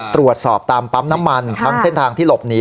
ตรวจสอบตามปั๊มน้ำมันครับทางเส้นทางที่หลบหนี